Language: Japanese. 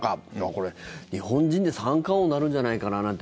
これ、日本人で三冠王になるんじゃないかななんて